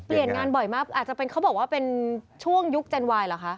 เปลี่ยนงานบ่อยมากอาจจะเป็นเขาบอกว่าเป็นช่วงยุคเจนวายเหรอคะ